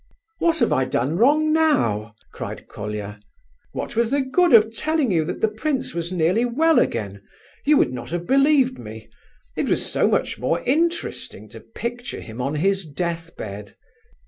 "What have I done wrong now?" cried Colia. "What was the good of telling you that the prince was nearly well again? You would not have believed me; it was so much more interesting to picture him on his death bed."